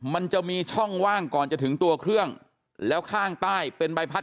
มันจะมีช่องว่างก่อนจะถึงตัวเครื่องแล้วข้างใต้เป็นใบพัด